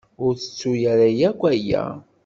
Ur ttettu ara akk aya.